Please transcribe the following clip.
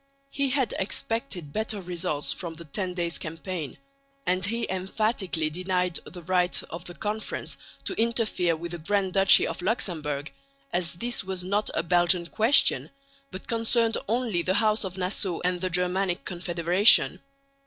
He had expected better results from the Ten Days' Campaign, and he emphatically denied the right of the Conference to interfere with the Grand Duchy of Luxemburg, as this was not a Belgian question, but concerned only the House of Nassau and the Germanic Confederation.